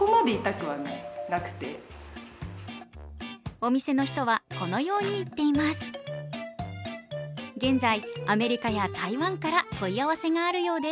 お店の人はこのように言っています。